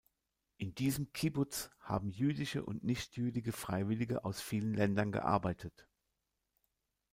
In diesem Kibbuz haben jüdische und nichtjüdische Freiwillige aus vielen Ländern gearbeitet.